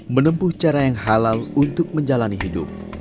menempuh cara yang halal untuk menjalani hidup